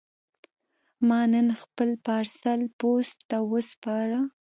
ما نن خپل پارسل پوسټ ته وسپاره.